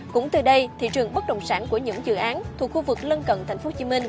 cũng từ đây thị trường bất động sản của những dự án thuộc khu vực lân cận tp hcm